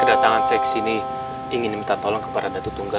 kedatangan saya kesini ingin meminta tolong kepada datu tunggu